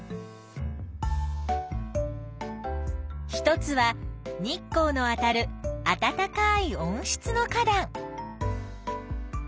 一つは日光のあたるあたたかい温室の花だん。